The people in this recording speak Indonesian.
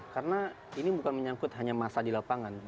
karena ini bukan menyangkut hanya massa di lapangan